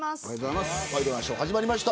ワイドナショー始まりました。